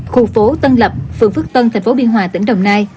khu phố tân lập phường phước tân tp biên hòa tỉnh đồng nai